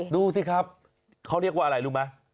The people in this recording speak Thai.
ดูสิครับเขาเรียกว่าอะไรรู้ไหม